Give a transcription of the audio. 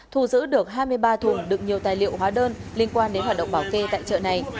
thu giữ được hai mươi ba thùng đựng nhiều tài liệu hóa đơn liên quan đến hoạt động bảo kê tại chợ này